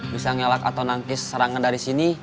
bisa ngelak atau nangis serangan dari sini